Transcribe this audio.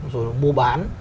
rồi mua bán